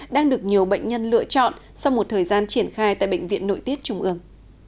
đang được nhiều bệnh nhân lựa chọn sau một thời gian triển khai tại bệnh viện nội tiết trung ương